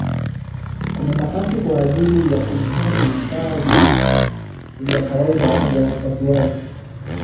Kuna nafasi kwa ajili ya kuhifadhi vifaa vya kawaida vya upasuaji.